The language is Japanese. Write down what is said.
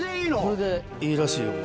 これでいいらしいよ。